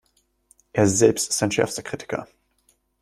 Er selbst ist sein schärfster Kritiker.